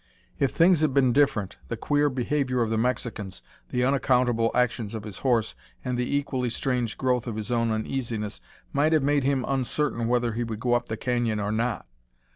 If things had been different, the queer behavior of the Mexicans, the unaccountable actions of his horse and the equally strange growth of his own uneasiness might have made him uncertain whether he would go up the canyon or not.